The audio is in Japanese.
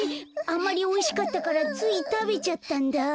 あんまりおいしかったからついたべちゃったんだ。